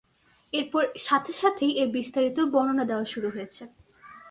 এরপর সাথে সাথেই এর বিস্তারিত বর্ণনা দেয়া শুরু হয়েছে।